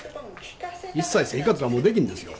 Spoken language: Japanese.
一切生活はもうできんですよ。